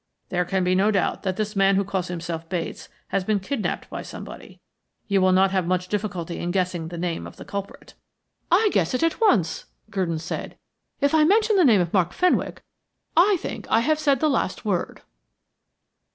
There can be no doubt that this man who calls himself Bates has been kidnapped by somebody. You will not have much difficulty in guessing the name of the culprit." "I guess it at once," Gurdon said. "If I mention the name of Mark Fenwick, I think I have said the last word."